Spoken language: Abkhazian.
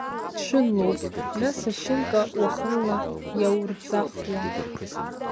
Ҽынлоуп, нас, ашьынка уахынла иаурӡахуа!